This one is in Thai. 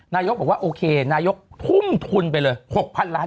นายกบอกว่านะครับนายกพุ่มทุนไปเลย